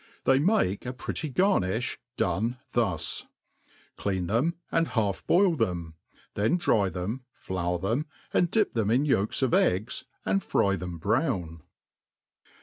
They make a pretty garniih done thus ; clean them, and half boil them ; then dry them, flour them, aod dip them in yolks^ irfcggs, and fry" them brown.